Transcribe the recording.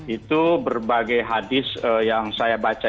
itu berbagai hadis yang saya baca